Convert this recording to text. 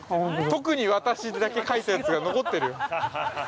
◆「特に私」だけ書いたやつが残ってるよ。